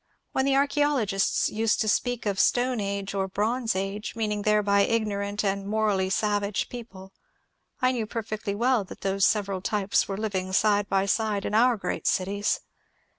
When the archaeologists used to speak of stone age or bronze age, meaning thereby ignorant and morally savage people, I knew perfectly well that those several types were living side by side in our great cities.